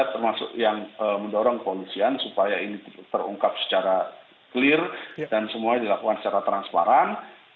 termasuk yang mendorong kepolisian supaya ini terungkap secara clear dan semua dilakukan secara transparan